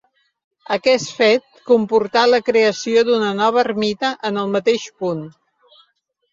Aquest fet comportà la creació d'una nova ermita en el mateix punt.